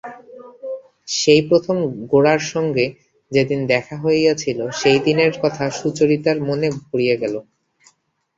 সেই প্রথম গোরার সঙ্গে যেদিন দেখা হইয়াছিল সেই দিনের কথা সুচরিতার মনে পড়িয়া গেল।